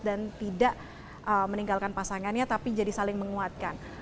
dan tidak meninggalkan pasangannya tapi jadi saling menguatkan